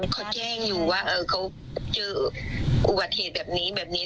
เขาแจ้งอยู่ว่าเขาเจออุบัติเหตุแบบนี้แบบนี้